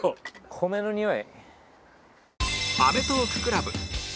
米のにおい。